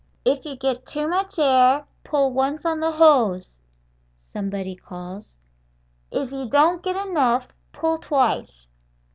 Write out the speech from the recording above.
"If you get too much air, pull once on the hose," somebody calls; "if you don't get enough, pull twice."